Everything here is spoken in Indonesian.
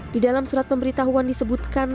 di dalam surat pemberitahuan disebutkan